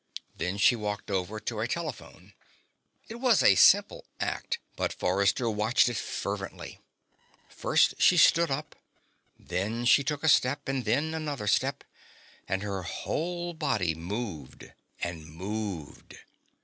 Then she walked over to a telephone. It was a simple act but Forrester watched it fervently. First she stood up, and then she took a step, and then another step ... and her whole body moved. And moved.